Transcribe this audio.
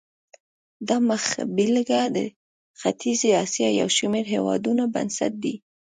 دا مخبېلګه د ختیځې اسیا یو شمېر هېوادونو بنسټ دی.